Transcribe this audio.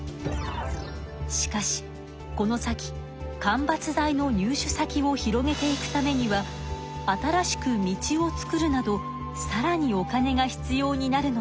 しかしこの先間伐材の入手先を広げていくためには新しく道を作るなどさらにお金が必要になるのです。